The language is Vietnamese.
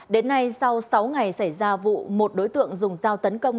đến nay sau sáu ngày xảy ra vụ một đối tượng dùng dao tấn công